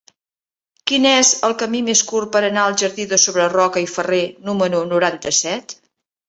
Quin és el camí més curt per anar al jardí de Sobreroca i Ferrer número noranta-set?